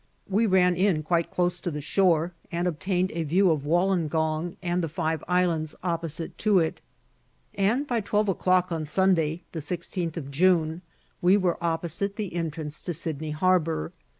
We ran in quite close to the shore, and obtained a view of Wollongong, and the "Five Islands" opposite to it; and by twelve o'clock on Sunday, the 16th of June, we were opposite the entrance to Sydney Harbour.